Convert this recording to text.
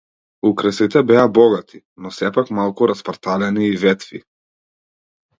Украсите беа богати, но сепак малку распарталени и ветви.